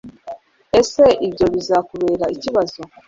Ese ibyo bizakubera ikibazo?